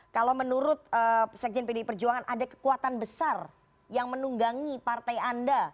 kalau menurut sekjen pdi perjuangan ada kekuatan besar yang menunggangi partai anda